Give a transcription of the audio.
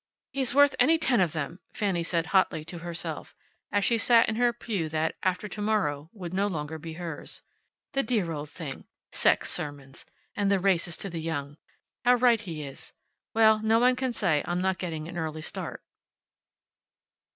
"He's worth any ten of them," Fanny said hotly to herself, as she sat in her pew that, after to morrow, would no longer be hers. "The dear old thing. `Sex sermons.' And the race is to the young. How right he is. Well, no one can say I'm not getting an early start."